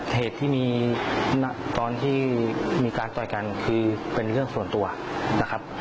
เหตุที่มีตอนที่มีการต่อยกันคือเป็นเรื่องส่วนตัวนะครับ